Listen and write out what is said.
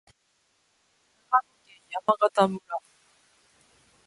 長野県山形村